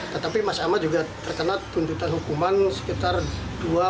tetapi mas ahmad juga terkena tuntutan hukuman sekitar dua tahun